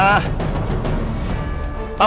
udah lah ma